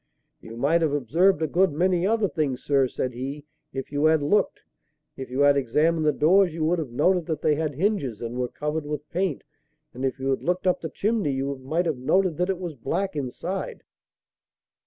"You might have observed a good many other things, sir," said he, "if you had looked. If you had examined the doors, you would have noted that they had hinges and were covered with paint; and, if you had looked up the chimney you might have noted that it was black inside."